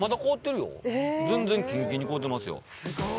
全然キンキンに凍ってますよ